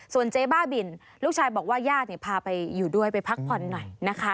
ส่วนเจ๊บ้าบินลูกชายบอกว่าญาติพาไปอยู่ด้วยไปพักผ่อนหน่อยนะคะ